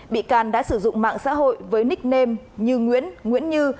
bị can đã sử dụng mạng xã hội với nickname như nguyễn nguyễn như